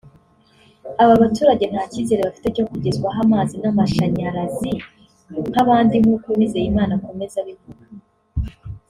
aba baturage nta cyizere bafite cyo kugezwaho amazi n’amashanyarazi nk’abandi nk’uko Uwizeyimana akomeza abivuga